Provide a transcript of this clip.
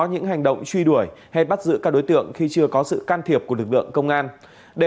những hành động truy đuổi hay bắt giữ các đối tượng khi chưa có sự can thiệp của lực lượng công an để